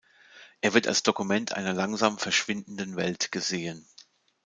Er wird als Dokument einer langsam verschwindenden Welt gesehen.